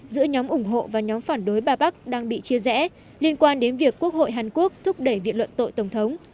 giữa nhóm ủng hộ và nhóm phản đối ba bắc đang bị chia rẽ liên quan đến việc quốc hội hàn quốc thúc đẩy viện luận tội tổng thống